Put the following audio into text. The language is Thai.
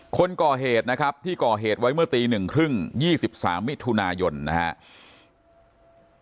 คนก่อเหตุนะครับที่ก่อเหตุไว้เมื่อตี๑๓๐๒๓มิถุนายนนะครับ